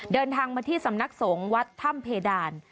เดินทางมาที่สำนักสงฆ์วัดถ้ำเพดาน